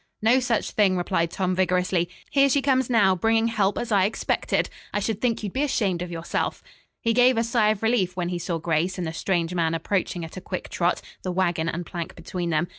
"No such thing," replied Tom vigorously. "Here she comes now, bringing help as I expected I should think you'd be ashamed of yourself." He gave a sigh of relief when he saw Grace and the strange man approaching at a quick trot, the wagon and plank between them.